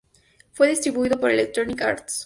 Fue distribuido por Electronic Arts.